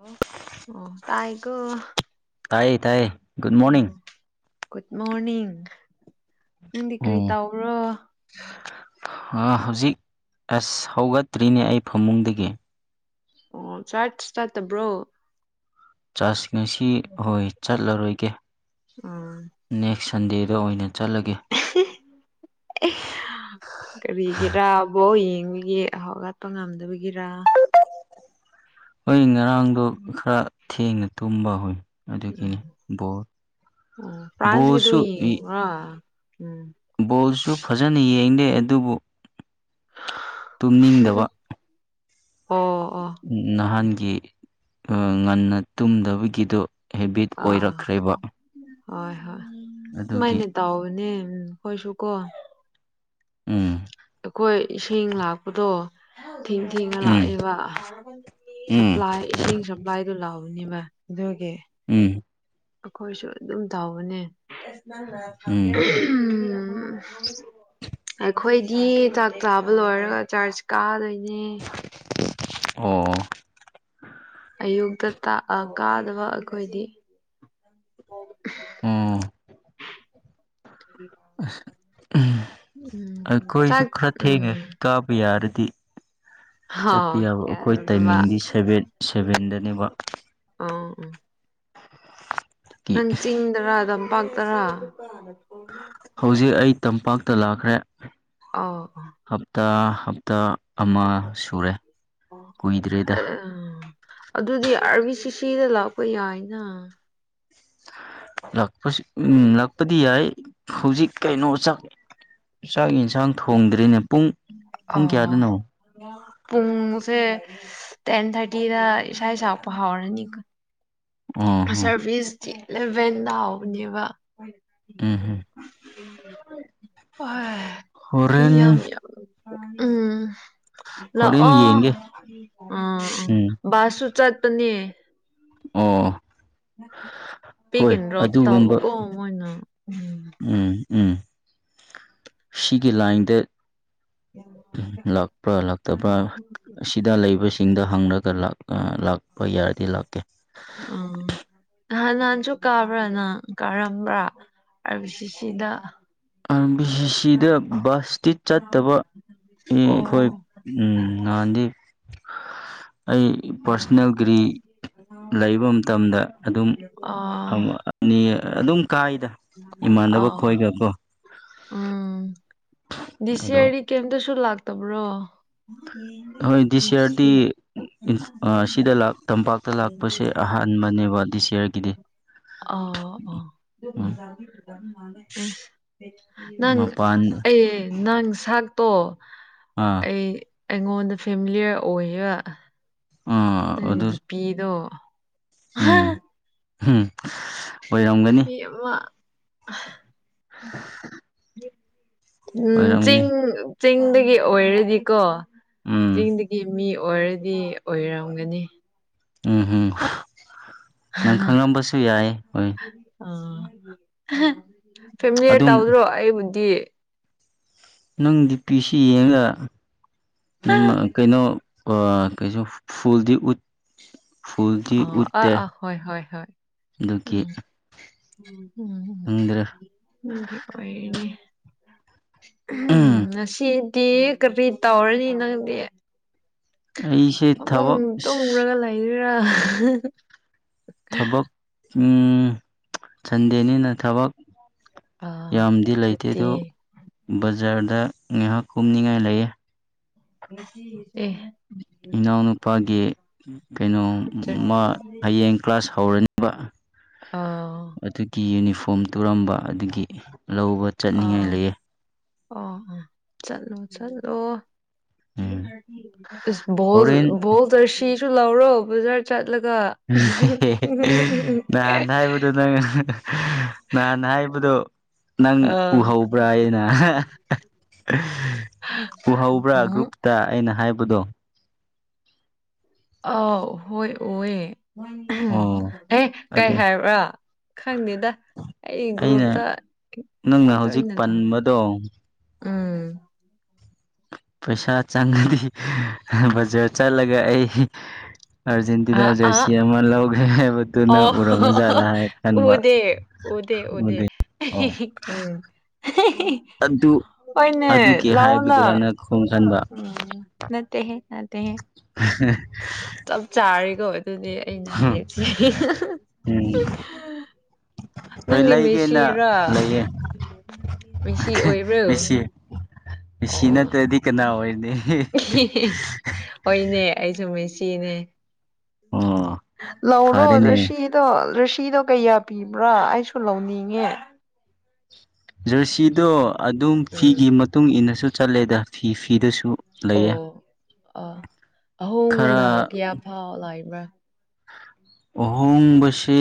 ꯑꯣ ꯑꯣ ꯇꯥꯏꯒꯣ ꯇꯥꯏꯌꯦ ꯇꯥꯏꯌꯦ ꯒꯨꯗ ꯃꯣꯔꯅꯤꯡ ꯒꯨꯗ ꯃꯣꯔꯅꯤꯡ ꯅꯪꯗꯤ ꯀꯔꯤ ꯇꯥꯎꯕ꯭ꯔꯣ ꯍ ꯍꯧꯖꯤꯛ ꯑꯁ ꯍꯧꯒꯠꯇ꯭ꯔꯤꯅꯦ ꯑꯩ ꯐꯃꯨꯡꯗꯒꯤ ꯑꯣ ꯆꯔꯠꯁ ꯆꯥꯇꯕ꯭ꯔꯣ ꯆꯥꯔꯆ ꯉꯁꯤ ꯍꯣꯏ ꯆꯠꯂꯔꯣꯏꯒꯦ ꯎꯝ ꯅꯦꯛꯁ ꯁꯟꯗꯦꯗ ꯑꯣꯏꯅ ꯆꯠꯂꯒꯦ꯫ [unintelligible] ꯀꯔꯤꯒꯤꯔꯥ ꯕꯣꯜ ꯌꯦꯡꯕꯒꯤ ꯍꯥꯎꯒꯠꯄ ꯉꯝꯗꯕꯒꯤꯔ ꯍꯣꯏ ꯉꯔꯥꯡꯗꯣ ꯈꯔ ꯊꯦꯡꯅ ꯇꯨꯝꯕ ꯍꯣꯏ ꯑꯗꯨꯒꯤꯅꯤ ꯕꯣꯜ ꯎꯝ ꯑꯣ ꯐ꯭ꯔꯥꯟꯁ ꯀꯤꯗꯨ ꯕꯣꯜꯁꯨ ꯌꯦꯡꯕ꯭ꯔ ꯎꯝ ꯕꯣꯜꯁꯨ ꯐꯖꯅ ꯌꯦꯡꯗꯦ ꯑꯗꯨꯕꯨ ꯇꯨꯝꯅꯤꯡꯗꯕ [unintelligible] ꯑꯣ ꯑꯣ ꯅꯍꯥꯟꯒꯤ ꯉꯟꯅ ꯇꯨꯝꯗꯕꯒꯤꯗꯣ ꯍꯦꯕꯤꯠ ꯑꯥ ꯑꯣꯏꯔꯛꯈ꯭ꯔꯦꯕ ꯍꯣꯏ ꯍꯣꯏ ꯑꯗꯨꯒꯤ ꯁꯨꯃꯥꯏꯅ ꯇꯥꯎꯕꯅꯦ ꯈꯣꯏꯁꯨꯀꯣ ꯎꯝ ꯑꯩꯈꯣꯏ ꯏꯁꯤꯡ ꯂꯥꯛꯄꯗꯣ ꯊꯦꯡ ꯊꯦꯡꯅ ꯎꯝ ꯂꯥꯛꯑꯦꯕ ꯎꯝ ꯁꯞꯄ꯭ꯂꯥꯏ ꯏꯁꯤꯡ ꯁꯞ ꯏꯕꯥꯏꯗꯨ ꯂꯥꯎꯕꯅꯤꯕ ꯑꯗꯨꯒꯤ ꯎꯝ ꯑꯩꯈꯣꯏꯁꯨ ꯑꯗꯨꯝ ꯇꯧꯕꯅꯦ ꯎꯝ ꯑꯩꯈꯣꯏꯗꯤ ꯆꯥꯛ ꯆꯥꯕ ꯂꯣꯏꯔꯒ ꯆꯥꯔꯖ ꯀꯥꯗꯣꯏꯅꯦ ꯑꯣ ꯑꯌꯨꯛꯇ ꯇꯥꯛꯑ ꯀꯥꯗꯕ ꯑꯩꯈꯣꯏꯗꯤ ꯎꯝ [unintelligible] ꯎꯝ ꯑꯩꯈꯣꯏꯁꯨ ꯆꯥꯛ ꯈꯔ ꯊꯦꯡꯉꯦ ꯎꯝ ꯀꯥꯕ ꯌꯥꯔꯗꯤ ꯍꯥꯎ ꯆꯠꯄꯤ ꯌꯥꯕ ꯑꯩꯈꯣꯏ ꯌꯥꯗꯕ ꯇꯥꯏꯃꯤꯡꯗꯤ ꯁꯚꯦꯟ ꯁꯚꯦꯟꯗꯅꯦꯕ [unintelligible] ꯀꯤ ꯅꯪ ꯆꯤꯡꯗꯔ ꯇꯝꯄꯥꯛꯇꯔꯥ ꯍꯧꯖꯤꯛ ꯑꯩ ꯇꯝꯄꯥꯛꯇ ꯂꯥꯛꯈ꯭ꯔꯦ ꯑꯧ ꯍꯞꯇꯥ ꯍꯞꯇꯥ ꯑꯃ ꯁꯨꯔꯦ ꯀꯨꯏꯗ꯭ꯔꯦꯗ ꯑꯗꯨꯗꯤ ꯑꯥꯔꯤ ꯁꯤ ꯁꯤꯗ ꯂꯥꯛꯄ ꯌꯥꯏꯅ ꯂꯥꯛꯄ ꯎꯝ ꯂꯥꯛꯄꯗꯤ ꯌꯥꯏ ꯍꯧꯖꯤꯛ ꯀꯩꯅꯣ ꯆꯥꯛ ꯆꯥꯛ ꯌꯦꯟꯁꯥꯡ ꯊꯣꯡꯗ꯭ꯔꯤꯅꯦ ꯄꯨꯡ ꯄꯨꯡ ꯑꯧ ꯀꯌꯥꯗꯅꯣ ꯄꯨꯡꯁꯦ ꯇꯦꯟ ꯊꯥꯔꯇꯤꯗ ꯏꯁꯩ ꯁꯛꯄ ꯍꯧꯥꯎꯔꯅꯤ ꯑꯣ ꯍꯣ ꯁꯔꯚꯤꯁꯇꯤ ꯑꯤꯂꯚꯦꯟꯗ ꯍꯥꯎꯕꯅꯦꯕ ꯎꯝ ꯍꯨꯝ ꯍꯣꯏ ꯃꯤ ꯍꯣꯔꯦꯟ ꯌꯥꯝ ꯌꯥꯝ ꯎꯝ ꯍꯣꯔꯦꯟ ꯂꯥꯛꯑꯣ ꯌꯦꯡꯒꯦ ꯎꯝ ꯎꯝ ꯕꯥꯁꯁꯨ ꯆꯠꯄꯅꯦ ꯑꯣ ꯄꯤꯛ ꯍꯣꯏ ꯑꯦꯟ ꯗ꯭ꯔꫭꯞ ꯑꯗꯨꯒꯨꯝꯕ ꯇꯧꯕꯀꫭ ꯃꫭꯏꯅ ꯎꯝ ꯎꯝ ꯁꯤꯒꯤ ꯂꯥꯏꯟꯗ [inaudible] ꯂꯥꯛꯄ꯭ꯔꯥ ꯂꯥꯛꯇꯕ꯭ꯔꯥ ꯑꯁꯤꯗ ꯂꯩꯕꯁꯤꯡꯗ ꯍꯪꯂꯒꯥ ꯂꯥꯛ ꯑ ꯂꯥꯛꯄ ꯌꯥꯔꯗꯤ ꯂꯥꯛꯀꯦ ꯎꯝ ꯅꯍꯥꯟ ꯅꯍꯥꯟꯁꯨ ꯀꯥꯕ꯭ꯔꯥ ꯅ ꯀꯥꯔꯝꯕ꯭ꯔꯥ ꯑꯥꯔ ꯕꯤ ꯁꯤꯁꯤꯗ [unintelligible] ꯕꯤ ꯁꯤ ꯁꯤꯗ ꯕꯁꯇꯤ ꯆꯠꯇꯕ ꯑꯣ ꯑꯩꯈꯣꯏ ꯎꯝ ꯉꯥꯟꯗꯤ ꯑꯩ ꯄꯥꯔꯁꯣꯅꯦꯜ ꯒꯥꯔꯤ ꯂꯩꯕ ꯑꫭ ꯅꯦꯔ ꯑꯗꯨꯝ ꯀꯥꯏꯗ ꯏꯃꯥꯟꯅꯕ ꯑꯥ ꯈꯣꯏꯒ ꯀꯣ ꯎꯝ ꯗꯤꯁ ꯑꯗꯣ ꯏꯌꯔꯗꯤ ꯀꯔꯤꯝꯇꯁꯨ ꯂꯥꯛꯇꯕ꯭ꯔꯣ ꯍꯣꯏ ꯗꯤꯁ ꯏꯌꯥꯔꯗꯤ ꯑꯥ ꯁꯤꯗ ꯇꯝꯄꯥꯛꯇ ꯂꯥꯛꯄꯁꯦ ꯑꯍꯥꯟꯕꯅꯦꯕ ꯗꯤꯁ ꯏꯌꯥꯔꯒꯤꯗꯤ ꯑ ꯥ ꯑꯧ [inaudible] ꯅꯪ ꯃꯄꯥꯟ ꯑꯩ ꯅꯪ ꯁꯛꯇꯣ ꯑꯥ꯬꯬꯬꯬꯬ ꯑꯩ ꯑꯩꯉꯣꯟꯗ ꯐꯦꯃꯤꯂꯤꯑꯦꯔ ꯑꯣꯏꯌꯥ ꯑꯥ ꯑꯗꯨ ꯅꯨꯡꯒꯤ ꯄꯤꯗꯣ ꯎꯝ ꯎꯝ ꯍꯣꯏꯔꯝꯒꯅꯤ [inaudible] ꯎꯝ ꯑꯣꯏꯔꯝꯅꯤ ꯆꯤꯡ ꯆꯤꯡꯗꯒꯤ ꯑꯣꯏꯔꯗꯤꯀꯣ ꯎꯝ ꯆꯤꯡꯗꯒꯤ ꯃꯤ ꯑꯣꯏꯔꯗꯤ ꯑꯣꯏꯔꯝꯒꯅꯤ ꯎꯝ ꯎꯝ ꯅꯪ ꯈꯪꯂꯝꯕꯁꯨ ꯌꯥꯏ ꯍꯣꯏ ꯑꯗꯨꯝ [unintelligible] ꯅꯪꯗꯤ ꯄꯤꯁꯤ ꯑ ꯌꯦꯡꯉꯒ ꯀꯩꯅꯣ ꯑ꯬꯬꯬꯬꯬꯬ ꯀꯩꯁꯨ ꯐꯨꯜꯗꯤ ꯎꯠ ꯐꯨꯜꯗꯤ ꯑꯥ ꯎꯠꯇꯦ ꯑꯥ ꯍꯣꯏ ꯍꯣꯏ ꯍꯣꯏ ꯑꯗꯨꯒꯤ ꯎꯝ ꯈꯪꯗ꯭ꯔꯦ ꯎꯝ [inaudible] ꯑꯣꯏꯅꯦ ꯎꯝ ꯁꯤ ꯀꯕꯤ ꯇꯧꯔꯅꯤ ꯅꯪꯗꯤ ꯑꯩꯁꯦ ꯑꯃꯨꯛ ꯊꯕꯛ ꯇꯨꯝꯃꯨꯔꯒ ꯂꯩꯔꯤꯔꯥ ꯊꯕꯛ ꯁꯟꯗꯦꯅꯤꯅ ꯊꯕꯛ ꯑꯥ ꯌꯥꯝꯗꯤ ꯂꯩꯇꯦ ꯁꯨꯇꯤ ꯑꯗꯨ ꯕꯖꯥꯔꯗ ꯉꯥꯏꯍꯥꯛ ꯀꯨꯝꯅꯤꯡꯉꯥꯏ ꯂꯩꯌꯦ [inaudible] ꯏꯅꯥꯎꯅꯨꯄꯥꯒꯤ ꯀꯩꯅꯣ ꯍꯌꯦꯡ ꯀ꯭ꯂꯥꯁ ꯍꯧꯔꯅꯤ [inaudible] ꯑꯥ ꯑꯗꯨꯒꯤ ꯌꯨꯅꯤꯐꯣꯔꯝ ꯇꯨꯔꯝꯕ ꯑꯗꯨꯒꯤ ꯂꯧꯕ ꯆꯠꯅꯤꯡꯉꯥꯏ ꯑ ꯂꯩꯌꯦ ꯑ ꯆꯠꯂꯣ ꯆꯠꯂꯣ ꯎꯝ ꯑꯁ ꯕꯣꯜ ꯍꯣꯔꯦꯟ ꯕꯣꯜ ꯖꯔꯁꯤꯁꯨ ꯂꯧꯔꯣ ꯕꯖꯥꯔ ꯆꯠꯂꯒ ꯅꯍꯥꯟ ꯍꯥꯏꯕꯗꯨ ꯅꯪ ꯅꯍꯥꯟ ꯍꯥꯏꯕꯗꯨ ꯅꯪ ꯑꯥ ꯎꯍꯧꯕ꯭ꯔꯥ ꯍꯥꯏꯅ ꯎꯍꯧꯕ꯭ꯔꯥ ꯎꯝ ꯒ꯭ꯔꯨꯞꯇ ꯑꯩꯅ ꯍꯥꯏꯕꯗꯣ ꯑꯥꯎ ꯍꯣꯏ ꯎꯏꯌꯦ ꯑꯣ ꯑꯦ ꯀꯩ ꯑꯗꯨ ꯍꯥꯏꯕ꯭ꯔꯥ ꯈꯪꯗꯦꯗ ꯑꯩ ꯒ꯭ꯔꯨꯞꯇ ꯑꯩꯅ ꯅꯪꯅ ꯍꯧꯖꯤꯛ ꯇꯣꯏꯅ ꯄꯟꯕꯗꯣ ꯎꯝ ꯄꯩꯁꯥ ꯆꯪꯉꯗꯤ ꯕꯖꯥꯔ ꯆꯠꯂꯒ ꯑꯩ ꯑ ꯑꯔꯖꯦꯟꯇꯤꯅꯥ ꯑ ꯖꯔꯁꯤ ꯑꯃ ꯂꯧꯒ ꯑꯣ ꯎꯗꯦ ꯎꯗꯦ ꯎꯗꯦ ꯎꯝ ꯑꯗꯨ ꯍꯣꯏꯅꯦ ꯑꯗꯨꯒꯤ ꯂꯛꯑꯣꯅ ꯍꯥꯏꯕꯒꯤꯔꯅ ꯈꯣꯡ ꯁꯟꯕ ꯅꯠꯇꯦꯍꯦ ꯅꯠꯇꯦꯍꯦ ꯆꯞ ꯆꯥꯔꯤꯀꯣ ꯑꯗꯨꯗꯤ ꯑꯩꯅ ꯍꯥꯏꯞꯁꯤ ꯎꯝ ꯍꯣꯏ ꯂꯩꯒꯦꯅ ꯂꯩꯌꯦ ꯃꯤꯁꯤ ꯑꯣꯏꯕ꯭ꯔꯣ ꯃꯦꯁꯤ ꯃꯦꯁꯤ ꯑꯣ ꯅꯠꯇ꯭ꯔꯗꯤ ꯀꯅꯥ ꯑꯣꯏꯅꯤ ꯍꯣꯏꯅꯦ ꯑꯩꯁꯨ ꯃꯦꯁꯤꯅꯦ ꯎꯝ ꯂꯧꯔꯣ ꯔꯁꯤꯗꯣ ꯔꯔꯤꯁꯤꯗꯣ ꯀꯌꯥ ꯄꯤꯕ꯭ꯔꯥ ꯑꯩꯁꯨ ꯂꯧꯅꯤꯡꯉꯦ ꯖꯔꯁꯤꯗꯣ ꯑꯗꯨꯝ ꯎꯝ ꯐꯤꯒꯤ ꯃꯇꯨꯡ ꯏꯟꯅꯁꯨ ꯆꯠꯂꯦꯗ ꯐꯤ ꯐꯤꯗꯨꯁꯨ ꯑꯣ ꯑ ꯑꯍꯣꯡꯕꯅ ꯈꯔ ꯀꯌꯥ ꯐꯥꯎ ꯂꯥꯛꯏꯕ꯭ꯔꯥ ꯑꯍꯣꯡꯕꯁꯤ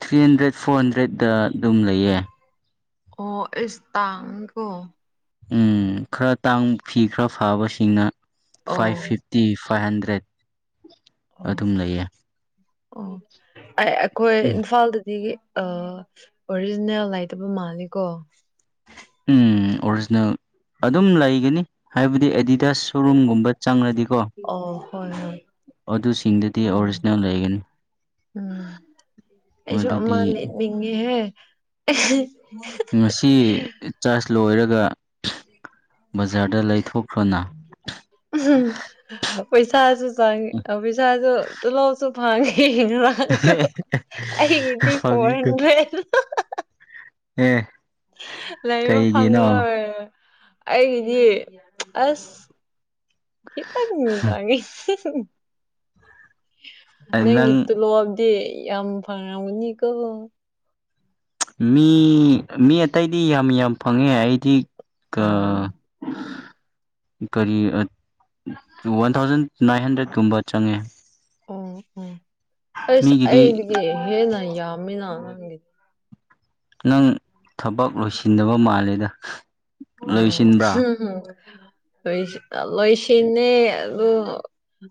ꯊ꯭ꯔꯤ ꯍꯟꯗ꯭ꯔꯦꯠ ꯐꯣꯔ ꯍꯟꯗ꯭ꯔꯦꯗ ꯗ ꯑꯗꯨꯝ ꯂꯩꯌꯦ ꯑꯣ ꯏꯁ ꯇꯥꯡꯏꯀꯣ ꯎꯝ ꯈꯔ ꯇꯥꯡ ꯐꯤ ꯈꯔ ꯐꯥꯕꯁꯤꯡꯅ ꯐꯥꯏꯚ ꯑꯣ ꯐꯤꯐꯇꯤ ꯐꯥꯏꯚ ꯍꯟꯗ꯭ꯔꯦꯠ ꯑꯗꯨꯝ ꯂꯩꯌꯦ ꯑꯣ ꯑꯩꯈꯣꯏ ꯎꯝ ꯏꯝꯐꯥꯜꯗꯗꯤ ꯑꯥ ꯑꯣꯔꯤꯖꯤꯅꯦꯜ ꯂꯩꯇꯕ ꯃꯥꯜꯂꯤꯀꯣ ꯎꯝ ꯑꯣꯔꯤꯖꯤꯅꯦꯜ ꯑꯗꯨꯝ ꯂꯩꯒꯅꯤ ꯍꯥꯏꯕꯗꯤ ꯑꯦꯗꯤꯗꯥꯁ ꯁꯣ ꯔꯨꯝ ꯒꯨꯝꯕ ꯆꯪꯉꯗꯤꯀꯣ ꯑꯣ ꯍꯣꯏ ꯍꯣꯏ ꯑꯗꯨꯁꯤꯡꯗꯗꯤ ꯎꯝ ꯑꯣꯔꯤꯖꯤꯅꯦꯜ ꯂꯩꯒꯅꯤ ꯎꯝ ꯑꯩꯁꯨ ꯑꯃ ꯑꯗꯨꯗꯤ ꯂꯩꯅꯤꯡꯉꯦꯍꯦ ꯉꯁꯤ ꯆꯥꯔꯖ ꯂꯣꯏꯔꯒ ꯕꯖꯥꯔꯗ ꯂꯩꯊꯣꯛꯈ꯭ꯔꯣꯅ ꯎꯝ ꯄꯩꯁꯥꯁꯨ ꯆꯪꯉꯤ ꯄꯩꯁꯥꯁꯨ ꯇꯣꯜꯂꯣꯞꯁꯨ ꯐꯪꯉꯤ ꯉꯥꯔꯥꯡ ꯑꯩꯒꯤꯗꯤ ꯐꯣꯔ ꯐꯪꯉꯤꯀꯣ ꯍꯟꯗ꯭ꯔꯦꯠ ꯑꯦ ꯂꯩꯕ ꯀꯩꯒꯤꯅꯣ ꯐꯪꯉꯔꯣꯏ ꯑꯩꯒꯤꯗꯤ ꯑꯁ ꯈꯤꯇꯪ ꯆꯪꯉꯦ ꯅꯪꯒꯤ ꯅꯪ ꯇꯨꯂꯣꯕꯗꯤ ꯌꯥꯝ ꯐꯪꯉꯝꯒꯅꯤꯀꯣ ꯃꯤ ꯃꯤ ꯑꯇꯩꯗꯤ ꯌꯥꯝ ꯌꯥꯝ ꯐꯪꯉꯦ ꯑꯩꯗꯤ ꯀꯥ ꯎꯝ ꯀꯔꯤ ꯋꯥꯟ ꯊꯥꯎꯖꯟ ꯅꯥꯏꯟ ꯍꯟꯗ꯭ꯔꯦꯠꯀꯨꯝꯕ ꯆꯪꯉꯦ ꯎꯝ ꯎꯝ ꯏꯁ ꯃꯤꯒꯤꯗꯤ ꯑꯩꯗꯒꯤ ꯍꯦꯟꯅ ꯌꯥꯝꯃꯤꯅ ꯅꯪꯒꯤ ꯅꯪ ꯊꯕꯛ ꯂꯣꯏꯁꯤꯟꯗꯕ ꯃꯥꯜꯂꯦꯗ ꯑꯣ ꯂꯣꯏꯁꯤꯟꯕ꯭ꯔꯥ ꯂꯣꯏꯁꯤ ꯂꯣꯏꯁꯤꯅꯦ ꯑꯣ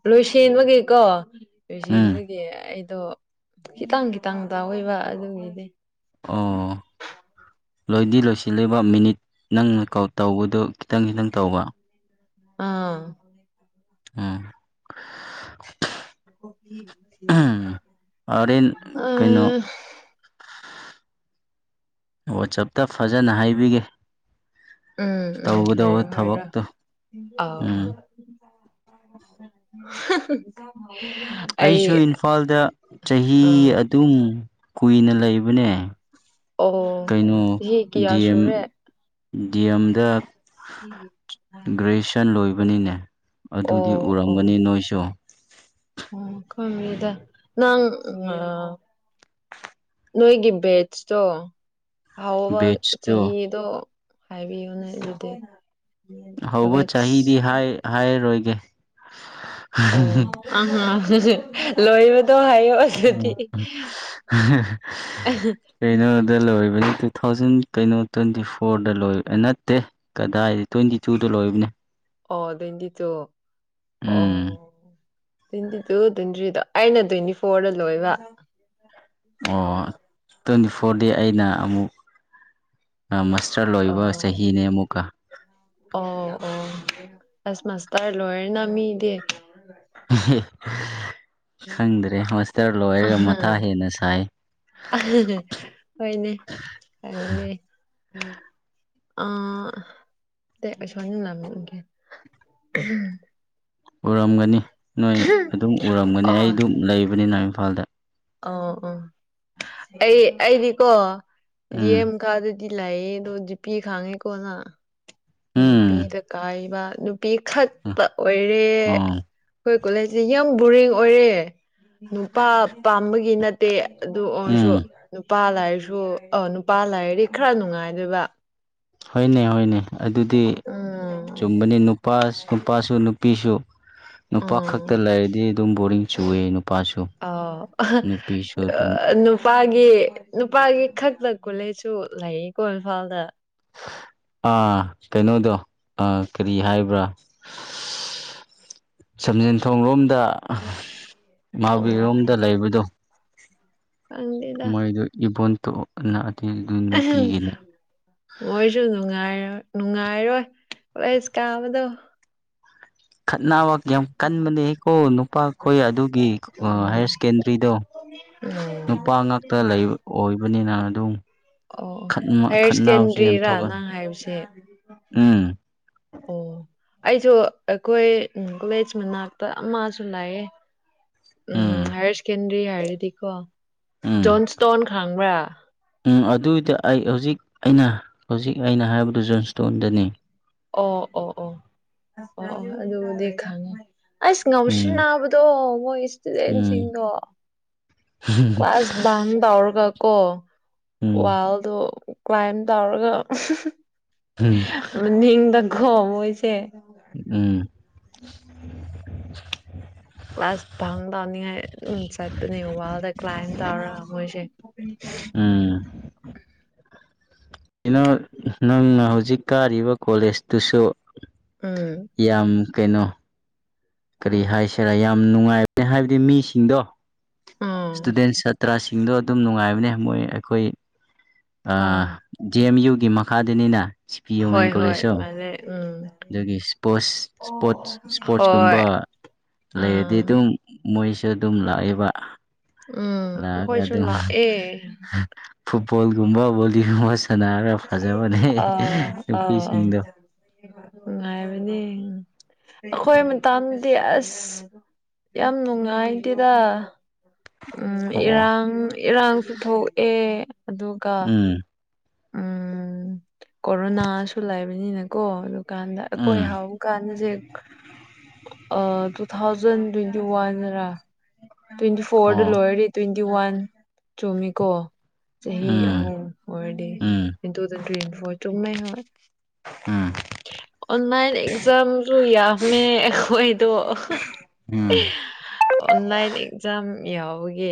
ꯂꯣꯏꯁꯟꯕꯒꯤꯀꯣ ꯎꯝ ꯂꯣꯏꯁꯦꯟꯕꯒꯤ ꯗꯤ ꯑꯩꯗꯣ ꯈꯤꯇꯪ ꯈꯤꯇꯪ ꯇꯧꯋꯦꯕ ꯑꯗꯨꯒꯤꯗꯤ ꯑꯣ ꯂꯣꯏꯗꯤ ꯂꯣꯏꯁꯤꯜꯂꯤꯕ ꯃꯤꯅꯤꯠ ꯅꯪ ꯀꯣꯜ ꯇꯧꯕꯗꯨ ꯈꯤꯇꯪ ꯈꯤꯇꯪ ꯇꯧꯕ ꯑꯥ [inaudible] ꯎꯝ [unintelligible] ꯑꯥ ꯋꯥꯠꯆꯞꯇ ꯐꯖꯅ ꯍꯥꯏꯕꯤꯒꯦ ꯎꯝ ꯎꯝ ꯇꯧꯒꯗꯧꯕ ꯍꯥꯏꯔꯣ ꯍꯥꯏꯔꯣ ꯊꯕꯛꯇꯣ ꯑꯧ ꯎꯝ ꯑꯧ [unintelligible] ꯑꯩꯁꯨ ꯏꯝꯐꯥꯜꯗ ꯆꯍꯤ ꯑ ꯑꯗꯨꯝ ꯀꯨꯏꯅ ꯂꯩꯕꯅꯦ ꯑꯣ ꯀꯩꯅꯣ ꯆꯍꯤ ꯀꯌꯥ ꯗꯤ ꯑꯦꯝ ꯁꯨꯔꯦ ꯗꯤ ꯑꯦꯝꯗꯥ ꯒ꯭ꯔꯦꯖꯨꯌꯦꯁꯟ ꯂꯣꯏꯕꯅꯤꯅꯦ ꯑꯗꯨꯗꯤ ꯑꯣ ꯎꯔꯝꯒꯅꯤ ꯅꯣꯏꯁꯨ ꯎꯝ ꯈꯪꯉꯤꯗ ꯅꯪ ꯅꯣꯏꯒꯤ ꯕꯦꯠꯁꯇꯣ ꯍꯧꯎꯕ ꯕꯦꯠꯁꯇꯣ ꯆꯍꯤꯗꯣ ꯍꯥꯏꯕꯤꯌꯨꯅꯦ ꯑꯗꯨꯗꯤ ꯀꯣꯂꯦꯖ ꯍꯥꯏꯔꯣꯏꯒꯦ ꯑꯣ [unintelligible] ꯂꯣꯏꯕꯗꯣ ꯍꯥꯏꯌꯣ ꯑꯗꯨꯗꯤ [unintelligible] ꯀꯩꯅꯣꯗ ꯂꯣꯏꯕꯅꯤ ꯇꯨ ꯊꯥꯎꯖꯟ ꯀꯩꯅꯣ ꯇ꯭ꯋꯦꯟꯇꯤ ꯐꯣꯔꯗ ꯂꯣꯏꯕ ꯅꯠꯇꯦ ꯀꯗꯥꯏꯗꯩ ꯇ꯭ꯋꯦꯟꯇꯤ ꯇꯨꯗ ꯂꯣꯏꯕꯅꯦ ꯑꯣ ꯇ꯭ꯋꯦꯟꯇꯤ ꯇꯨ ꯑꯣ ꯎꯝ ꯇ꯭ꯋꯦꯟꯇꯤ ꯇꯨ ꯇ꯭ꯋꯦꯟꯇꯤ ꯊ꯭ꯔꯤꯗꯣ ꯑꯩꯅ ꯇ꯭ꯋꯦꯟꯇꯤ ꯐꯣꯔꯗ ꯂꯣꯏꯕ ꯑꯣ ꯇ꯭ꯋꯦꯟꯇꯤ ꯐꯣꯔꯗꯤ ꯑꯩꯅ ꯑꯃꯨꯛ ꯁꯔ ꯑꯣ ꯂꯣꯏꯕ ꯆꯍꯤꯅꯦ ꯑꯃꯨꯛꯀꯥ ꯑꯣ ꯑꯣ ꯑꯁ ꯃꯥꯥꯁꯇꯔ ꯂꯣꯏꯔꯦꯅ ꯃꯤꯗꯤ ꯈꯪꯗ꯭ꯔꯦ ꯃꯥꯁꯇꯔ ꯂꯣꯏꯔꯒ ꯃꯊꯥ ꯍꯦꯟꯅ ꯁꯥꯏ ꯍꯣꯏꯅꯦ [unintelligible] ꯑꯥ [unintelligible] ꯎꯔꯝꯒꯅꯤ ꯅꯣꯏ ꯑꯗꯨꯝ ꯎꯔꯝꯒꯅꯤ ꯑ ꯑꯩ ꯑꯗꯨꯝ ꯂꯩꯕꯅꯤꯅ ꯏꯝꯐꯥꯜꯗ ꯑꯣ ꯎꯝ ꯑꯩ ꯑꯩꯗꯤꯀꯣ ꯗꯤ ꯎꯝ ꯑꯦꯝ ꯀꯥꯗꯗꯤ [unintelligible] ꯑꯗꯣ ꯖꯤꯄꯤ ꯈꯥꯡꯉꯦꯀꯣ ꯅꯪ ꯒꯤ ꯎꯝ ꯄꯤꯗ ꯀꯥꯏꯕ ꯅꯨꯄꯤꯈꯛ ꯄꯥ ꯑꯣꯏꯔꯦ ꯑꯣ ꯑꯩꯈꯣꯏ ꯀꯣꯂꯦꯁꯦ ꯌꯥꯝ ꯕꯣꯔꯤꯡ ꯑꯣꯏꯔꯦ ꯅꯨꯄꯥ ꯄꯥꯝꯕꯒꯤ ꯅꯠꯇꯦ ꯑꯗꯨ ꯎꯝ ꯑꯣꯏꯔꯁꯨ ꯅꯨꯄꯥ ꯂꯥꯏꯔꯁꯨ ꯑꯣ ꯅꯨꯄꯥ ꯂꯥꯏꯔꯗꯤ ꯈꯔ ꯅꯨꯡꯉꯥꯏꯗꯨꯏꯕ ꯍꯣꯏꯅꯦ ꯍꯣꯏꯅꯦ ꯑꯗꯨꯗꯤ ꯎꯝ ꯆꯨꯝꯕꯅꯦ ꯅꯨꯄꯥ ꯅꯨꯄꯥꯁꯨ ꯅꯨꯄꯤꯁꯨ ꯅꯨꯄꯥ ꯈꯛꯇ ꯎꯝ ꯂꯥꯏꯔꯗꯤ ꯑꯗꯨꯝ ꯕꯣꯔꯤꯡ ꯆꯨꯏꯌꯦ ꯑꯣ [unintelligible] ꯑꯗꯨꯝ ꯅꯨꯄꯥꯒꯤ ꯅꯨꯄꯥꯒꯤ ꯈꯛꯇ ꯀꯣꯂꯦꯁꯨ ꯂꯩꯀꯣ ꯏꯝꯐꯥꯜꯗ꯫ ꯑꯥ ꯀꯩꯅꯣꯗꯣ ꯑꯥ ꯀꯔꯤ ꯍꯥꯏꯕ꯭ꯔꯥ꯫ ꯁꯟꯖꯦꯟ ꯊꯣꯡ ꯂꯣꯝꯗ꯫ [unintelligible] ꯑꯣ ꯃꯍꯥꯕꯔꯤꯔꯣꯝꯗ ꯂꯩꯕꯗꯣ꯫ ꯈꯪꯗꯦꯗ ꯃꯣꯏꯗꯨ ꯏꯕꯣꯟ ꯅꯠꯇꯦ ꯑꯗꯨ ꯅꯨꯄꯤꯒꯤꯅꯦ꯫ ꯃꯣꯏꯁꯨ ꯅꯨꯡꯉꯥꯏꯔꯣꯏ ꯅꯨꯡꯉꯥꯏꯔꯔꯣꯏ ꯀꯣꯂꯦꯖ ꯀꯥꯕꯗꯣ꯫ ꯈꯠꯅꯕ ꯌꯥꯝ ꯀꯟꯕꯅꯦꯀꯣ ꯅꯨꯄꯥꯈꯣꯏ ꯑꯗꯨꯒꯤ ꯎꯝ ꯍꯥꯌꯔ ꯁꯦꯀꯦꯟꯗꯔꯤꯗꯣ꯫ ꯑꯣ ꯅꯨꯄꯥ ꯉꯥꯛꯇ ꯂꯩꯕ ꯑꯣꯏꯕꯅꯤꯅ ꯑꯗꯨꯝ꯫ ꯑꯣ ꯍꯥꯏꯌꯔ ꯈꯠꯅꯕꯁꯦ ꯌꯥꯝ ꯁꯦꯀꯦꯟꯗꯔꯤꯔꯥ ꯊꯣꯛꯒꯅꯤ ꯅꯪ ꯍꯥꯏꯕꯁꯦ꯫ ꯎꯝ ꯑꯣ꯫ ꯑꯩꯖꯨ ꯑꯩꯈꯣꯏ ꯀꯣꯂꯦꯖ ꯃꯅꯥꯛꯇ ꯑꯃꯥꯖꯨ ꯂꯧꯌꯦ꯫ ꯎꯝ ꯍꯥꯌꯔ ꯁꯦꯀꯦꯟꯗꯔꯤ ꯍꯥꯏꯔꯗꯤꯀꯣ ꯎꯝ ꯖꯣꯟ ꯊꯣꯟ ꯈꯥꯡꯕ꯭ꯔꯥ꯫ ꯎꯝ ꯑꯗꯨꯏꯗ ꯑꯩ ꯍꯧꯖꯤꯛ ꯑꯩꯅ ꯍꯧꯖꯤꯛ ꯑꯩꯅ ꯍꯥꯏꯕꯗꯨ ꯖꯣꯟꯁꯊꯣꯟꯗꯨꯅꯤ꯫ ꯑꯣ ꯑꯣ ꯑꯣ [unintelligible] ꯑꯗꯨꯕꯨꯗꯤ ꯈꯪꯉꯦ ꯑꯩꯁ ꯎꯝ ꯉꯥꯎꯁꯤꯟꯅꯥꯕꯗꯤ꯫ ꯇꯣ ꯃꯣꯏ ꯎꯝ ꯏꯁꯇꯨꯗꯦꯟꯁꯤꯡꯗꯣ꯫ ꯀ꯭ꯂꯥꯁ ꯕꯪ ꯇꯧꯔꯒ ꯀꯣ ꯎꯝ ꯋꯥꯜꯗꯣ ꯀ꯭ꯂꯥꯏꯝ ꯇꯧꯔꯒ ꯎꯝ ꯃꯅꯤꯡꯗ ꯈꯣꯡꯕꯁꯦ꯫ ꯎꯝ꯫ ꯀ꯭ꯂꯥꯁ ꯐꯪ ꯇꯧꯅꯤꯉꯥꯏ ꯑꯗꯨꯝ ꯆꯠꯄꯅꯦ ꯋꯥꯗ ꯀ꯭ꯂꯥꯏꯝ ꯇꯧꯔ ꯃꯣꯏꯁꯦ꯫ [unintelligible] ꯎꯝ꯫ ꯀꯩꯅꯣ ꯅꯪꯅ ꯍꯧꯖꯤꯛ ꯀꯥꯔꯤꯕ ꯀꯣꯂꯦꯖꯇꯨꯁꯨ꯫ ꯎꯝ꯫ ꯌꯥꯝ ꯀꯩꯅꯣ꯫ ꯀꯔꯤ ꯍꯥꯏꯁꯤꯔꯥ ꯌꯥꯝ ꯅꯨꯡꯉꯥꯏꯕꯅꯦ ꯍꯥꯏꯕꯗꯤ ꯃꯤꯁꯤꯡꯗꯣ ꯎꯝ ꯏꯁꯇꯨꯗꯦꯟ ꯁꯥꯇ꯭ꯔꯁꯤꯡ꯫ ꯗꯣ ꯑꯗꯨꯝ ꯅꯨꯡꯉꯥꯏꯕꯅꯦ ꯃꯣꯏ ꯑꯩꯈꯣꯏ ꯑꯥ ꯖꯤ ꯑꯦꯝ ꯌꯨꯒꯤ ꯃꯈꯥꯗꯅꯤꯅ ꯁꯤ ꯄꯤ ꯍꯣꯏ ꯋꯨꯃꯦꯟ ꯍꯣꯏ ꯀꯣꯂꯦꯖꯁꯨ ꯃꯥꯜꯂꯦ ꯎꯝ ꯑꯗꯨꯒꯤ ꯏꯁꯄꯣꯠꯁ ꯏꯁꯄꯣꯠ ꯏꯁꯄꯣꯔꯠꯁ꯫ ꯍꯣꯏ ꯇꯨꯝꯕ ꯂꯩꯔꯗꯤ ꯑꯥ ꯑꯗꯨꯝ ꯃꯣꯏꯁꯦ ꯑꯗꯨꯝ ꯂꯥꯛꯑꯦꯕ꯫ ꯎꯝ ꯂꯛꯑꯒ ꯑꯩꯈꯣꯏꯁꯨ ꯑꯗꯨꯝ ꯂꯥꯛꯑꯦ ꯐꯨꯠꯕꯣꯜꯒꯨꯝꯕ ꯕꯣꯂꯤꯒꯨꯝꯕ ꯁ ꯁꯥꯟꯅꯥꯔꯒ ꯐꯖꯕꯅꯦ ꯅꯨꯄꯤꯁꯤꯡꯗꯣ꯫ ꯅꯨꯡꯉꯥꯏꯕꯅꯤ [unintelligible] ꯑꯩꯈꯣꯏ ꯃꯇꯝꯗꯤ ꯑꯁ꯫ ꯌꯥꯝ ꯅꯨꯡꯉꯥꯏꯇꯦꯗ ꯎꯝ ꯑꯣ ꯑꯣ ꯏꯔꯥꯡ ꯏꯔꯥꯡꯁꯨ ꯊꯣꯛꯑꯦ ꯑꯗꯨꯒ ꯎꯝ ꯎꯝ ꯀꯣꯔꯣꯅꯥꯁꯨ ꯂꯥꯏꯕꯅꯤꯅ ꯀꯣ ꯀꯥꯟꯗ ꯑꯩꯈꯣꯏ ꯎꯝ ꯍꯥꯎ ꯀꯥꯟꯗꯖꯦ ꯇꯨ ꯊꯥꯎꯖꯟ [unintelligible] ꯇ꯭ꯋꯦꯟꯇꯤ ꯋꯥꯟꯗꯔꯥ [unintelligible] ꯇ꯭ꯋꯦꯟꯇꯤ ꯐꯣꯔꯗ ꯑꯣ ꯂꯣꯏꯔꯗꯤ ꯇ꯭ꯋꯦꯟꯇꯤ ꯋꯥꯟ [unintelligible] ꯆꯨꯝꯃꯤꯀꯣ [unintelligible] ꯆꯍꯤ ꯎꯝ ꯑꯍꯨꯝ ꯑꯣꯏꯔꯗꯤ ꯎꯝ [unintelligible] ꯆꯨꯝꯃꯦ ꯍꯣꯏ ꯎꯝ ꯑꯣꯟꯂꯥꯏꯟ ꯑꯦꯛꯖꯥꯝꯖꯨ ꯌꯥꯝꯃꯦ ꯑꯩꯈꯣꯏꯗꯣ ꯎꯝ ꯑꯣꯟꯂꯥꯏꯟ ꯑꯦꯛꯖꯝ ꯌꯥꯎꯕꯒꯤ